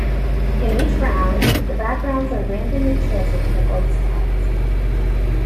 In each round, the backgrounds are randomly chosen for both sides.